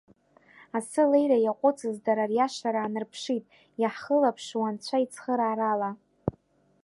Асы алеира иаҟәыҵыз, дара риашара аанарԥшит, иаҳхылаԥшу анцәа ицхыраарала.